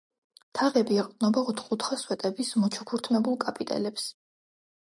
თაღები ეყრდნობა ოთხკუთხა სვეტების მოჩუქურთმებულ კაპიტელებს.